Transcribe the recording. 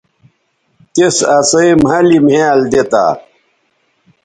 تِس اسئ مھلِ مھیال دی تا